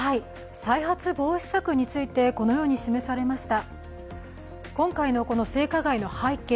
再発防止策について、このように示されました。